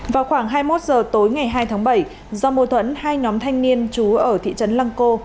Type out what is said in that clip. vào khoảng hai mươi một h tối ngày hai tháng bảy do mô thuẫn hai nhóm thanh niên chú ở thị trấn lăng cô